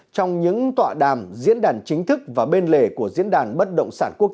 trong những tọa đàm diễn đàn chính thức và bên lề của diễn đàn bất động sản việt nam